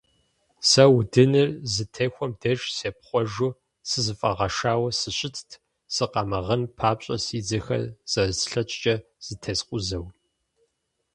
Сэ удыныр зытехуэм деж сепхъуэжу, сызэфӀэгъэшауэ сыщытт, сыкъэмыгъын папщӀэ си дзэхэр зэрыслъэкӀкӀэ зэтескъузэу.